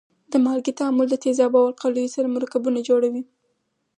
د مالګې تعامل د تیزابو او القلیو سره مرکبونه جوړوي.